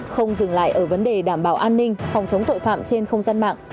không dừng lại ở vấn đề đảm bảo an ninh phòng chống tội phạm trên không gian mạng